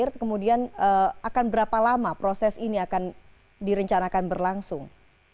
atau kemudian akan berapa lama proses ini akan direncanakan berlangsung